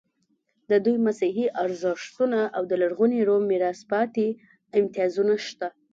د دوی مسیحي ارزښتونه او د لرغوني روم میراث پاتې امتیازونه شته.